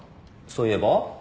そういえば？